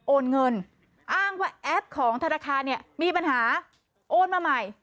โอนเงินอ้างว่าแอปของธนาคารเนี่ยมีปัญหาโอนมาใหม่